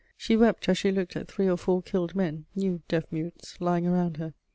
She wept as she looked at three or four killed men, new deaf mutes, lying around her.